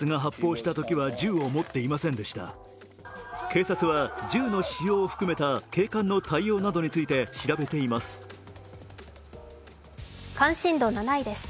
警察は銃の使用を含めた警官の対応などについて調べています。